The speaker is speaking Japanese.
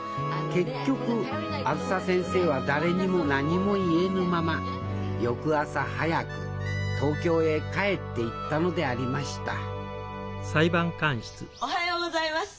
結局あづさ先生は誰にも何も言えぬまま翌朝早く東京へ帰っていったのでありましたおはようございます。